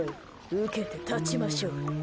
受けて立ちましょう。